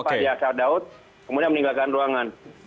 pak adiasa daud kemudian meninggalkan ruangan